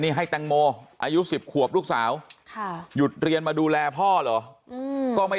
นี่ให้แตงโมอายุ๑๐ขวบลูกสาวหยุดเรียนมาดูแลพ่อเหรอก็ไม่